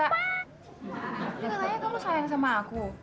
wah katanya kamu sayang sama aku